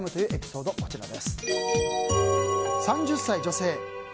３０代女性。